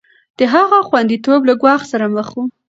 د هغه خونديتوب له ګواښ سره مخ و.